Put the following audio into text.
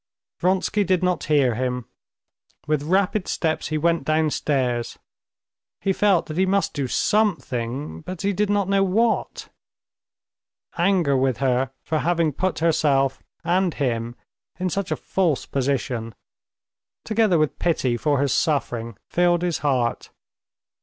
Vronsky did not hear him. With rapid steps he went downstairs; he felt that he must do something, but he did not know what. Anger with her for having put herself and him in such a false position, together with pity for her suffering, filled his heart.